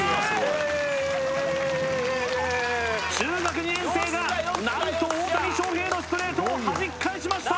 イエーイ中学２年生が何と大谷翔平のストレートをはじき返しました！